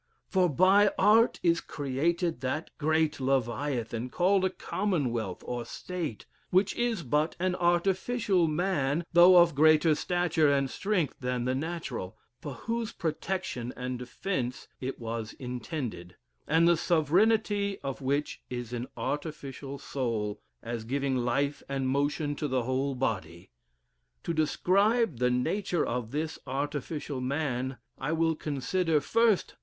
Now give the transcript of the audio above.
For by art is created that great leviathan, called a Commonwealth, or State, which is but an artificial man though of greater stature and strength than the natural, for whose protection and defence it was intended, and the sovereignty of which is an artificial soul, as giving life and motion to the whole body. To describe the nature of this artificial man, I will consider, "1st.